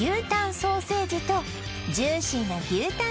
ソーセージとジューシーな牛たん